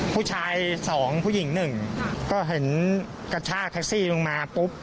ผู้ชายสองผู้หญิงหนึ่งก็เห็นกระชากแท็กซี่ลงมาปุ๊บ